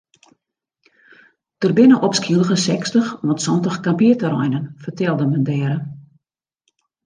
Der binne op Skylge sechstich oant santich kampearterreinen fertelde men dêre.